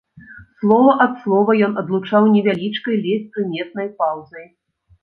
Слова ад слова ён адлучаў невялічкай, ледзь прыметнай паўзай.